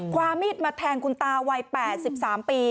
ความมีดมาแทงคุณตาวัย๘๓ปี